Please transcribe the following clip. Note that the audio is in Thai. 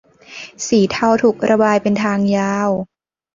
สีเทาถูกระบายเป็นทางยาว